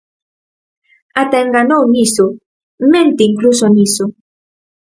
Ata enganou niso, mente incluso niso.